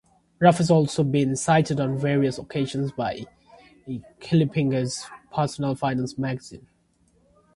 Ruff has also been cited on various occasions by Kiplinger's Personal Finance magazine.